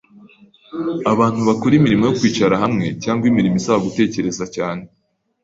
abantu bakora imirimo yo kwicara hamwe cyangwa imirimo isaba gutekereza cyane